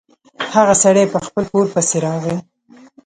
هغه سړی په خپل پور پسې راغی.